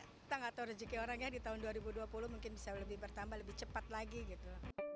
kita gak tahu rejeki orangnya di tahun dua ribu dua puluh mungkin bisa lebih bertambah lebih cepat lagi gitu